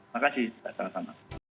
makasih kita sama sama